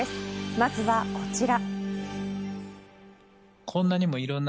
まずはこちら。